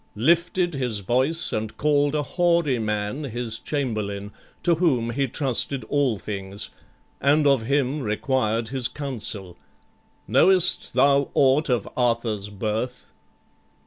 lifted his voice, and call'd A hoary man, his chamberlain, to whom He trusted all things, and of him required His counsel: "Knowest thou aught of Arthur's birth?"